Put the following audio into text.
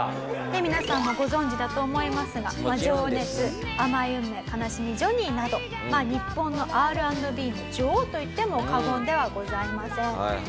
皆さんもご存じだと思いますが『情熱』『甘い運命』『悲しみジョニー』など日本のＲ＆Ｂの女王といっても過言ではございません。